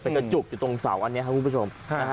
กระจุกอยู่ตรงเสาอันนี้ครับคุณผู้ชม